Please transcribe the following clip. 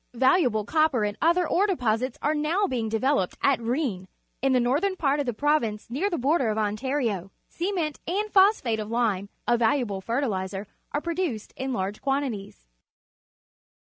Valuable copper and other ore deposits are now being develope d at Rou vn in the northern par^of the province near the border of Ontario. Ce ment and phosphate of lime, a valuable fertihzer, are produced in large quantities.